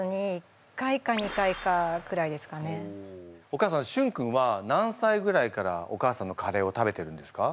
お母さんしゅん君は何歳ぐらいからお母さんのカレーを食べてるんですか？